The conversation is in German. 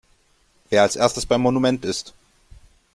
Wer als erstes beim Monument ist!